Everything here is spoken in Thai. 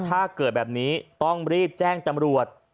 ถ้าเกิดแบบนี้ต้องรีบแจ้งตำรวจ